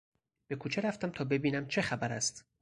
به کوچه رفتم تا ببینم چه خبر است.